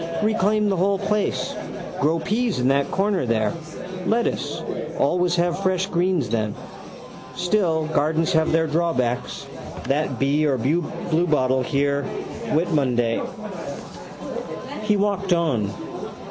Reclaim the whole place. Grow peas in that corner there. Lettuce. Always have fresh greens then. Still gardens have their drawbacks. That bee or bluebottle here Whitmonday. He walked on.